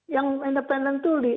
yang independen itu